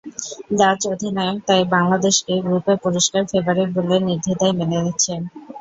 Dutch অধিনায়ক তাই বাংলাদেশকে গ্রুপে পরিষ্কার ফেবারিট বলে নির্দ্বিধায় মেনে নিচ্ছেন।